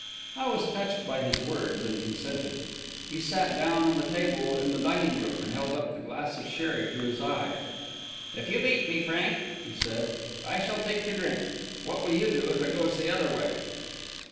I was touched by his words, and consented. He sat down on the table in the dining room, and held up the glass of sherry to his eye. "If you beat me, Frank," he said, "I shall take to drink. What will you do, if it goes the other way?"